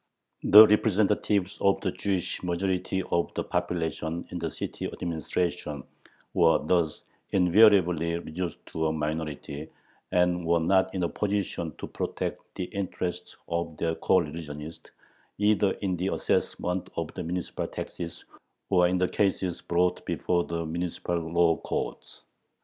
The representatives of the Jewish majority of the population in the city administration were thus invariably reduced to a minority, and were not in a position to protect the interests of their coreligionists, either in the assessment of the municipal taxes or in the cases brought before the municipal law courts.